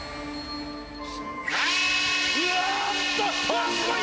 うわすごい！